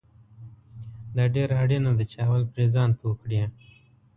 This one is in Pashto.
دا ډیره اړینه ده چې اول پرې ځان پوه کړې